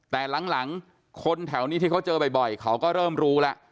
แต่หลังคนแถวนี้ที่เขาเจอบ่อยเขาก็เริ่มรู้แล้ว